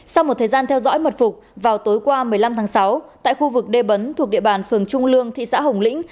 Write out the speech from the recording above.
sau một thời gian theo dõi mật phục vào tối qua một mươi năm tháng sáu tại khu vực đê bấn thuộc địa bàn phường trung lương thị xã hồng lĩnh